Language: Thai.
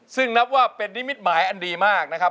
ซึ่งนับว่าเป็นนิมิตหมายอันดีมากนะครับ